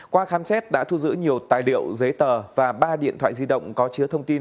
qua khám xét đã thu giữ nhiều tài liệu giấy tờ và ba điện thoại di động có chứa thông tin